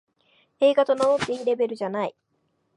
映画と名乗っていいレベルじゃない